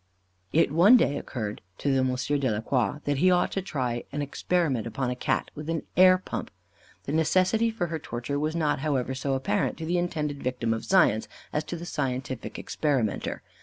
It one day occurred to M. de la Croix that he ought to try an experiment upon a Cat with an air pump. The necessity for her torture was not, however, so apparent to the intended victim of science as to the scientific experimenter.